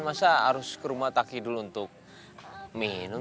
masa harus ke rumah kaki dulu untuk minum